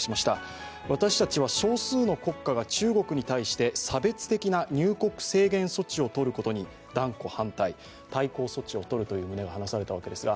私たちは少数の国家が中国についして差別的な入国措置を取ることに断固反対、対抗措置を取るという旨を話されたわけです。